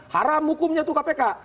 haram hukumnya itu kpk